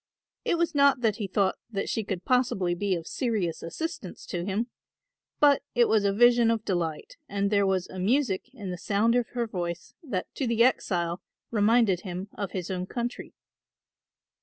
It was not that he thought that she could possibly be of serious assistance to him; but it was a vision of delight and there was a music in the sound of her voice that to the exile reminded him of his own country.